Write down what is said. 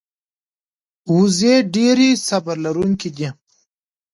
وزې ډېرې صبر لرونکې دي